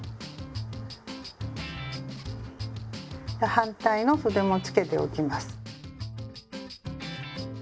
反対のそでもつけておきます。